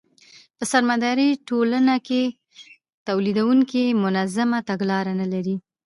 په سرمایه داري ټولنو کې تولیدونکي منظمه تګلاره نلري